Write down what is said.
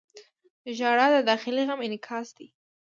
• ژړا د داخلي غم انعکاس دی.